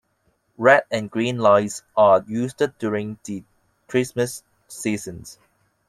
Red and green lights are used during the Christmas season.